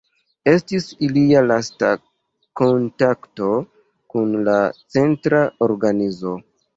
Estis ilia lasta kontakto kun la Centra Organizo.